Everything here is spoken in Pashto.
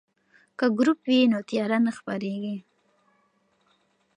که ګروپ وي نو تیاره نه خپریږي.